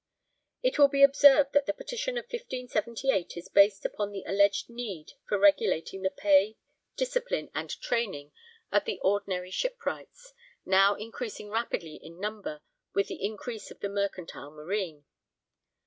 It will be observed that the petition of 1578 is based upon the alleged need for regulating the pay, discipline, and training of the ordinary shipwrights, now increasing rapidly in number with the increase of the mercantile marine.